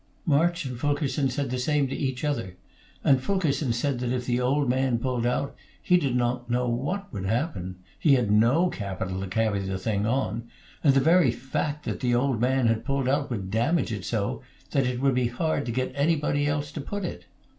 March and Fulkerson said the same to each other; and Fulkerson said that if the old man pulled out, he did not know what would happen. He had no capital to carry the thing on, and the very fact that the old man had pulled out would damage it so that it would be hard to get anybody else to put it.